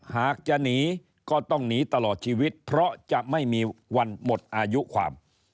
หากจะหนีก็ต้องหนีตลอดชีวิตเพราะจะไม่มีวันหมดอายุความ